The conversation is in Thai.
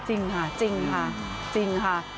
จริงค่ะจริงค่ะจริงค่ะ